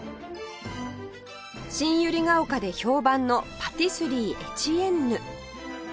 新百合ヶ丘で評判のパティスリーエチエンヌ